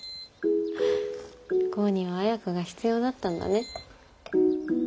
剛には綾花が必要だったんだね。